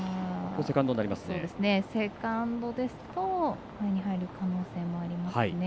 セカンドですと前に入る可能性もありますね。